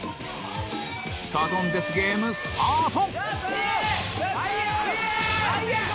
サドンデスゲームスタート！